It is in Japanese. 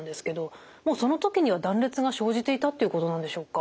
もうその時には断裂が生じていたっていうことなんでしょうか？